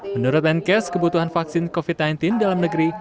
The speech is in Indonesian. menurut menkes kebutuhan vaksin covid sembilan belas dalam negeri